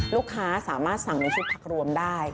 ลูกค้าสามารถสั่งในชุดผักรวมได้